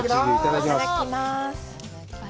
いただきます。